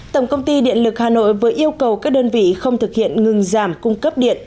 tổng công ty điện lực hà nội vừa yêu cầu các đơn vị không thực hiện ngừng giảm cung cấp điện